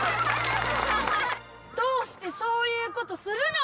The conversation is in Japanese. どうしてそういうことするの！